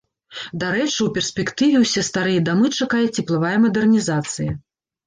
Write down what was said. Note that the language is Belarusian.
Дарэчы, у перспектыве ўсе старыя дамы чакае цеплавая мадэрнізацыя.